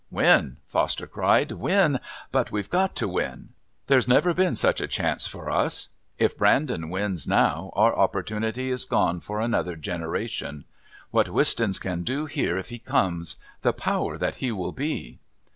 "Win!" Foster cried. "Win! But we've got to win! There's never been such a chance for us! If Brandon wins now our opportunity is gone for another generation. What Wistons can do here if he comes! The power that he will be!"